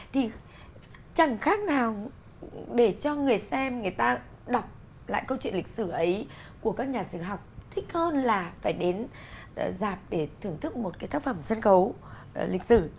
thì chẳng khác nào để cho người xem người ta đọc lại câu chuyện lịch sử ấy của các nhà sử học thích hơn là phải đến giạt để thưởng thức một cái tác phẩm sân khấu lịch sử